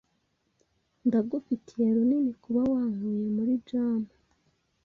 Ndagufitiye runini kuba wankuye muri jam.